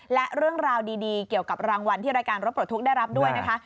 และเรื่องราวดีเกี่ยวกับรางวัลที่รายการรถปลดทุกข์ได้รับด้วยนะคะ